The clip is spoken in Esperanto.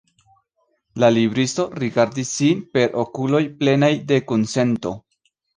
La libristo rigardis ŝin per okuloj plenaj de kunsento.